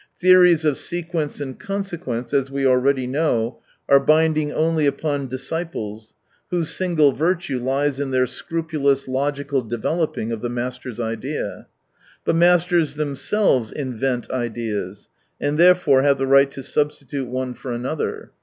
Theories of sequence and consequence, as we already know, are binding only upon disciples, whose single virtue lies in their scrupulous, logical developing of the master's idea. But masters themselves invent ideas, and, therefore, have the right to substitute one for another.